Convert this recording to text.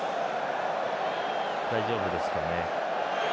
大丈夫ですかね。